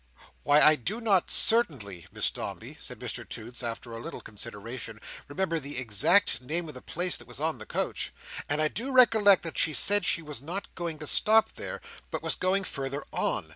"Why I do not certainly, Miss Dombey," said Mr Toots, after a little consideration, "remember the exact name of the place that was on the coach; and I do recollect that she said she was not going to stop there, but was going farther on.